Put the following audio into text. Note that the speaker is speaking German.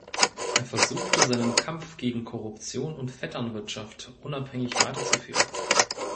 Er versuchte seinen Kampf gegen Korruption und Vetternwirtschaft unabhängig weiterzuführen.